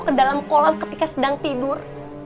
kedalam kolam ketika sedang tidur